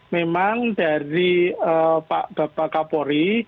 memang dari pak kapolri